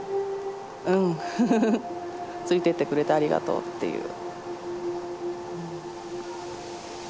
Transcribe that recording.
うんついてってくれてありがとうっていう。